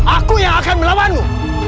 aku yang akan melawanmu